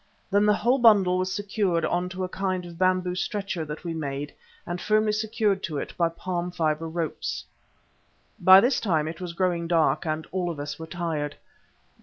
Then the whole bundle was lifted on to a kind of bamboo stretcher that we made and firmly secured to it with palm fibre ropes. By this time it was growing dark and all of us were tired.